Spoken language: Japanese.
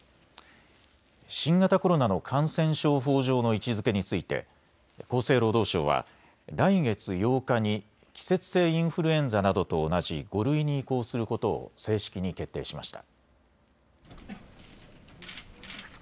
新型コロナの感染症法上の位置づけについて厚生労働省は来月８日に季節性インフルエンザなどと同じ５類に移行することを正式に決定しました。